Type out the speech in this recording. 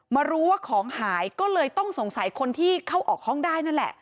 มารู้ว่าของหายก็เลยต้องสงสัยคนที่เข้าออกห้องได้นั่นแหละ